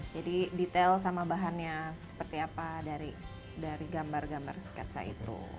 jadi detail sama bahannya seperti apa dari gambar gambar sketsa itu